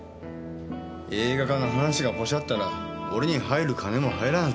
映画化の話がポシャッたら俺に入る金も入らなくなる。